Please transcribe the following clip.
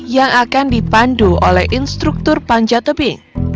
yang akan dipandu oleh instruktur panjat tebing